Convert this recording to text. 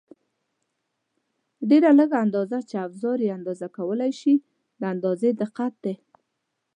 ډېره لږه اندازه چې اوزار یې اندازه کولای شي د اندازې دقت دی.